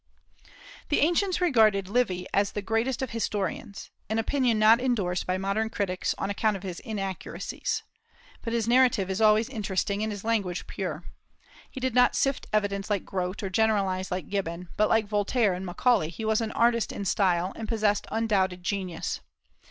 The ancients regarded Livy as the greatest of historians, an opinion not indorsed by modern critics, on account of his inaccuracies. But his narrative is always interesting, and his language pure. He did not sift evidence like Grote, nor generalize like Gibbon; but like Voltaire and Macaulay, he was an artist in style, and possessed undoubted genius.